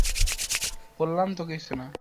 বললাম তো, কিছু না।